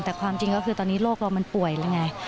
แต่ความจริงก็คือตอนนี้โรคเรามันป่วยแล้วไง